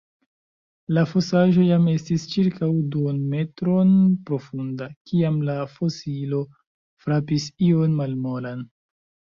La fosaĵo jam estis ĉirkaŭ duonmetron profunda, kiam la fosilo frapis ion malmolan.